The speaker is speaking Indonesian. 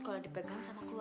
malah satu orang yang baru